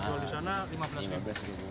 dijual di sana lima belas ribu